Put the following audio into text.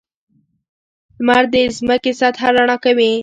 • لمر د ځمکې سطحه رڼا کوي.